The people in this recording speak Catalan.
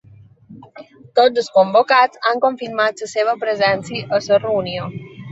Tots els convocats han confirmat la seva presència a la reunió